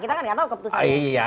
kita kan gak tau keputusannya